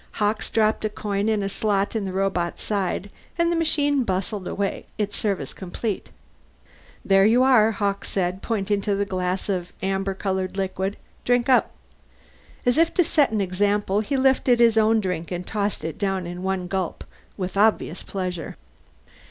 Hawkes dropped a coin in a slot in the robot's side, and the machine bustled away, its service completed. "There you are," Hawkes said, pointing to the glass of amber colored liquid. "Drink up." As if to set an example he lifted his own drink and tossed it down in one gulp, with obvious pleasure.